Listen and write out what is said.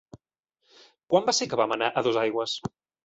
Quan va ser que vam anar a Dosaigües?